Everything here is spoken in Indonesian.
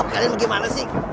kalian gimana sih